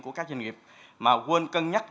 của các doanh nghiệp mà quên cân nhắc